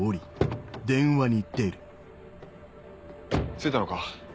着いたのか？